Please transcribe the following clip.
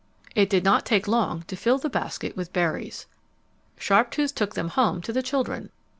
It did not take long to fill the basket with berries. Sharptooth took them home to the children.